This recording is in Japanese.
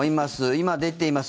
今、出ています